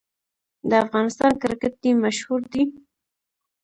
د افغانستان کرکټ ټیم مشهور دی